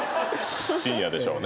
深夜でしょうね。